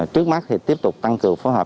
trước mắt thì tiếp tục tăng cường phối hợp